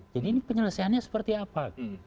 jadi ini penyelesaiannya seperti apa